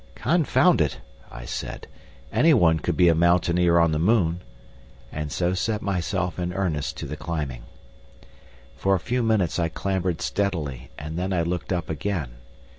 "Confound it!" I said, "any one could be a mountaineer on the moon;" and so set myself in earnest to the climbing. For a few minutes I clambered steadily, and then I looked up again.